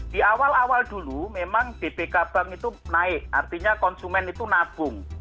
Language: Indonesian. di awal awal dulu memang dpk bank itu naik artinya konsumen itu nabung